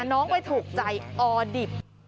น้องไปถูกใจออดิบ